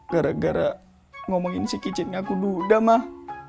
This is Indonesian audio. gara gara ngomongin si kicit ngaku duda mah